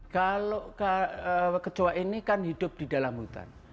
kalau kecoa ini kan hidup di dalam hutan